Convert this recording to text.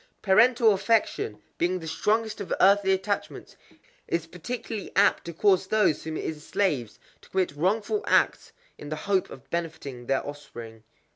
Parental affection, being the strongest of earthly attachments, is particularly apt to cause those whom it enslaves to commit wrongful acts in the hope of benefiting their offspring.